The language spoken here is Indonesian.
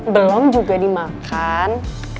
belom juga dimakan